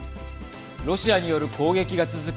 ロシアによる攻撃が続く